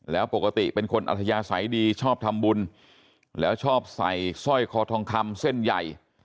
แล้วปกติเป็นคนอัธยาศัยดีชอบทำบุญแล้วชอบใส่สร้อยคอทองคำเส้นใหญ่